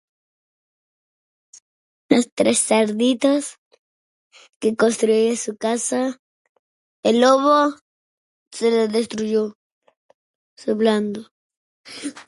Los tres cerditos que construye su casa. El lobo se la destruyó... soplando.